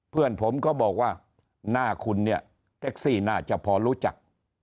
เพื่อนผมก็บอกว่าหน้าคุณเนี่ยแท็กซี่น่าจะพอรู้จัก